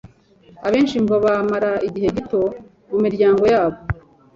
abenshi ngo bamara igihe gito mu miryango yabo